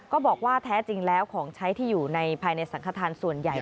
ก็บอกว่าแท้จริงแล้วของใช้ที่อยู่ภายในสังขทานส่วนใหญ่